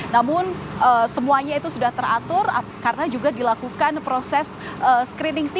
namun semuanya itu sudah teratur karena juga dilakukan proses screening